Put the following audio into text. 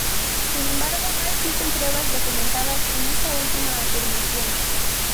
Sin embargo, no existen pruebas documentadas de esta última afirmación.